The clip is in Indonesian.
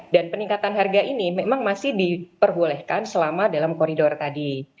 dan peningkatan harga ini memang masih diperbolehkan selama dalam koridor tadi